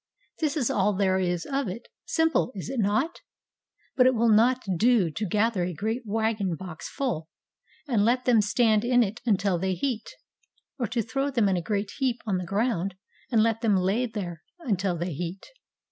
This is all there is of it; simple, is it not? But it will not do to gather a great wagon box full, and let them stand in it until they heat, or to throw them in a great heap on the ground and let them lay there until they heat.